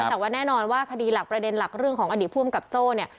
แต่ว่าแน่นอนว่าคดีหลักประเด็นหลักเรื่องของอดีตผู้อำกับโจ้เนี่ย